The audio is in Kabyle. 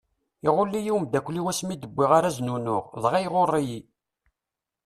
Iɣul-iyi umeddakel-iw asmi d-wwiɣ araz n unuɣ, dɣa iɣuṛṛ-iyi!